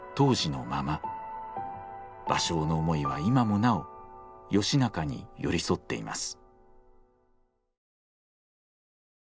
芭蕉の思いは今もなお義仲に寄り添っています。